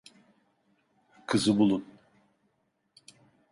Kızı bulun.